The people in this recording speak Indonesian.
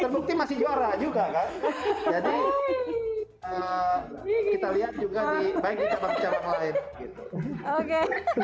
terbukti masih juara juga kan jadi kita lihat juga di baik di cabang cabang lain gitu